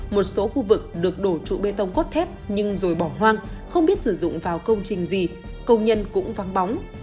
một số khu vực được đổ trụ bê tông cốt thép nhưng rồi bỏ hoang không biết sử dụng vào công trình gì công nhân cũng vắng bóng